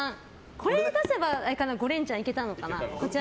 これ出せば５レンチャンいけたのかな。